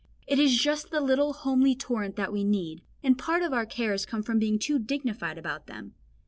It is just the little homely torrent that we need, and part of our cares come from being too dignified about them.